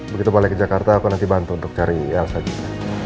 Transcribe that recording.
begitu balik ke jakarta aku nanti bantu untuk cari elsa juga